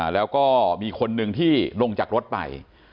แล้วก็มีคนหนึ่งที่ลงจากรถไป